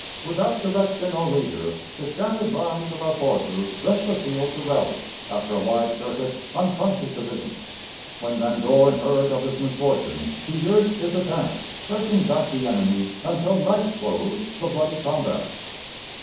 Without direction or leader, the shattered lines of our forces left the field to rally, after a wide circuit, on Price's division. When Van Dorn heard of this misfortune, he urged his attack, pressing back the enemy until night closed the bloody combat.